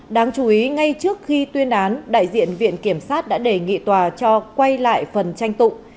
đáng chú ý ngay trước khi tuyên án đại diện viện kiểm sát đã đề nghị tòa cho quay lại phần tranh tụ